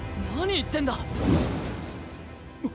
なに言ってんだ？